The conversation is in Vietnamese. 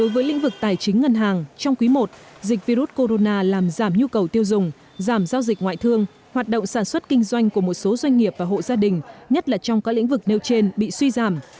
với lĩnh vực tài chính ngân hàng trong quý i dịch virus corona làm giảm nhu cầu tiêu dùng giảm giao dịch ngoại thương hoạt động sản xuất kinh doanh của một số doanh nghiệp và hộ gia đình nhất là trong các lĩnh vực nêu trên bị suy giảm